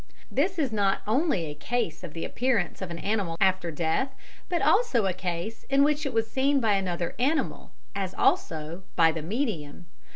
This is not only a case of the appearance of an animal after death, but also a case in which it was seen by another animal, as also by the medium.